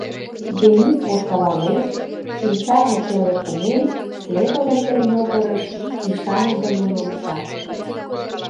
Денис воштылалеш, шинчажым пеле кумен, следователь могырыш ӱшаныдымын онча.